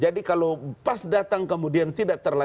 jadi kalau pas datang kemudian tidak terlayak